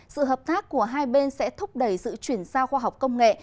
sự hợp tác của hai bên sẽ thúc đẩy sự chuyển giao khoa học công nghệ